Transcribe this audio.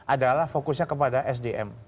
adalah fokusnya kepada sdm